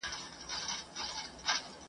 هم دا دنیا هم آخرت دی د خانانو موري !.